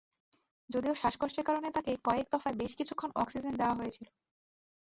যদিও শ্বাসকষ্টের কারণে তাঁকে কয়েক দফায় বেশ কিছুক্ষণ অক্সিজেন দেওয়া হয়েছিল।